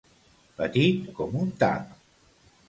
Petit com un tap.